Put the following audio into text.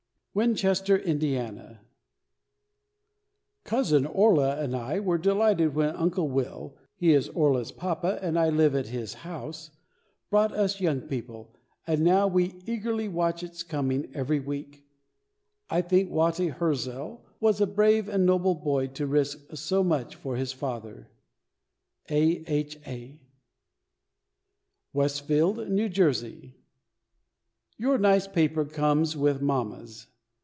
WINCHESTER, INDIANA. Cousin Orla and I were delighted when Uncle Will (he is Orla's papa, and I live at his house) brought us YOUNG PEOPLE, and now we eagerly watch its coming every week. I think Watty Hirzel was a brave and noble boy to risk so much for his father. A. H. A. WESTFIELD, NEW JERSEY. Your nice paper comes with mamma's.